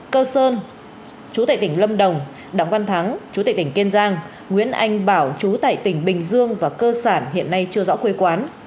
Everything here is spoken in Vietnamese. cơ sơn chú tại tỉnh lâm đồng đặng văn thắng chú tệ tỉnh kiên giang nguyễn anh bảo chú tại tỉnh bình dương và cơ sản hiện nay chưa rõ quê quán